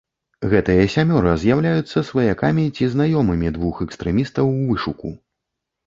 Гэтыя сямёра з'яўляюцца сваякамі ці знаёмымі двух экстрэмістаў у вышуку.